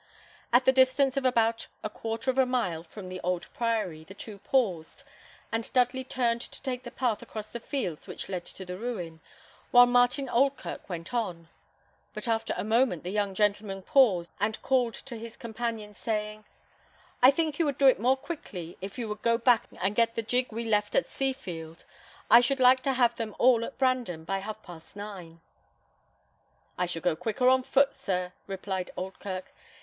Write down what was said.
At the distance of about a quarter of a mile from the old Priory the two paused, and Dudley turned to take the path across the fields which led to the ruin, while Martin Oldkirk went on; but after a moment the young gentleman paused, and called to his companion, saying, "I think you would do it more quickly if you would go back and get the gig we left at Seafield. I should like to have them all at Brandon by half past nine." "I shall go quicker on foot, sir," replied Oldkirk.